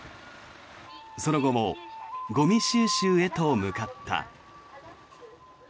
その後もゴミ収集へと向かった。